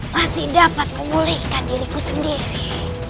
masih dapat memulihkan diriku sendiri